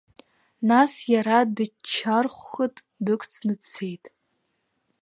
Нас иара дыччархәхыт, дықәҵны дцеит.